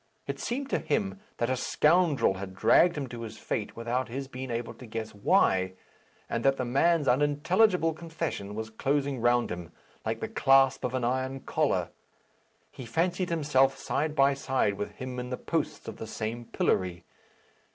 It seemed to him that a scoundrel had dragged him to his fate without his being able to guess why, and that the man's unintelligible confession was closing round him like the clasp of an iron collar. He fancied himself side by side with him in the posts of the same pillory.